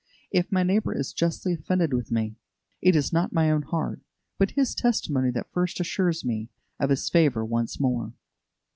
If my neighbour is justly offended with me, it is not my own heart, but his testimony that first assures me of his favour once more.